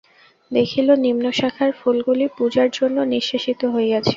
দেখিল, নিম্নশাখার ফুলগুলি পূজার জন্য নিঃশেষিত হইয়াছে।